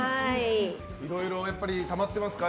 いろいろたまっていますか？